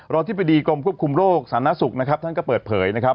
รทิบดีกรมควบคุมโรคสารณสุขท่านก็เปิดเผยนะครับ